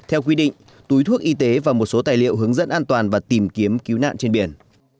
theo quy định túi thuốc y tế và một số tài liệu hướng dẫn an toàn và tìm kiếm cứu nạn trên biển